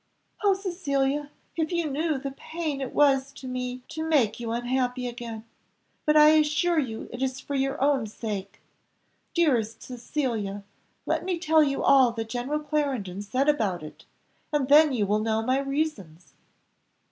"O Cecilia! if you knew the pain it was to me to make you unhappy again, but I assure you it is for your own sake. Dearest Cecilia, let me tell you all that General Clarendon said about it, and then you will know my reasons."